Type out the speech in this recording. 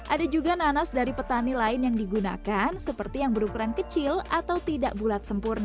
ada juga nanas dari petani lain yang digunakan seperti yang berukuran kecil atau tidak bulat sempurna